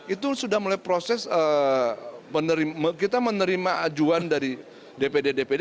itu sudah mulai proses kita menerima ajuan dari dpd dpd